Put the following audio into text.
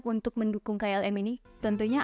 untuk mendukung klm ini tentunya